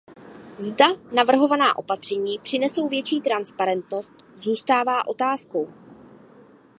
Zda navrhovaná opatření přinesou větší transparentnost, zůstává otázkou.